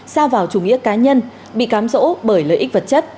xa vào chủ nghĩa cá nhân bị cám dỗ bởi lợi ích vật chất